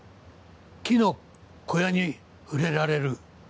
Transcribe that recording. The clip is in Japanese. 木の小屋に触れられる。